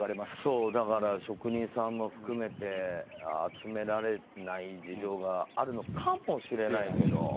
職人さんも含めて集められない事情があるのかもしれないけど。